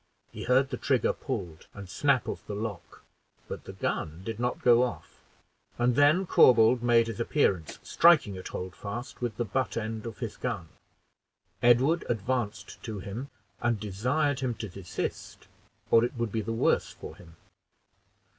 He heard the trigger pulled, and snap of the lock, but the gun did not go off; and then Corbould made his appearance, striking at Holdfast with the butt end of his gun. Edward advanced to him and desired him to desist, or it would be the worse for him.